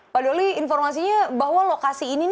pak doli informasinya bahwa lokasi ini